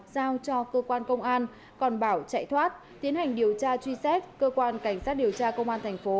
giao cho cơ quan công an còn bảo chạy thoát tiến hành điều tra truy xét cơ quan cảnh sát điều tra công an thành phố